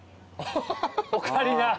オカリナや。